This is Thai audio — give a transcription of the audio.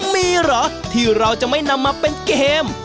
มีเหรอที่เราจะไม่นำมาเป็นเกม